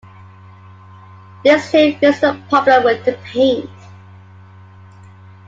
This change fixed the problem with the paint.